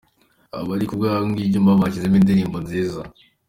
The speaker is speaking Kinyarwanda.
Abari k'ubuhanga bw'ibyuma bashyizemo indirimbo nziza.